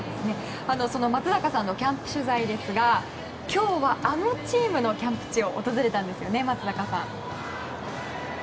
松坂さんのキャンプ取材ですが今日はあのチームのキャンプ地を訪れたんですよね、松坂さん。